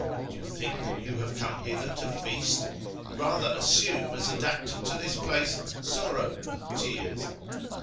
Do you think that you have come hither to feast ? Rather assume, as adapted to this place, sorrow and tears.